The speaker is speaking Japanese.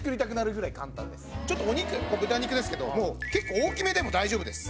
ちょっとお肉豚肉ですけどもう結構大きめでも大丈夫です。